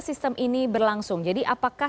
sistem ini berlangsung jadi apakah